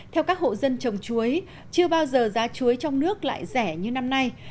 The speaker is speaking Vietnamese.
theo các hộ dân trồng chuối chưa bao giờ giá chuối trong nước lại rẻ như năm nay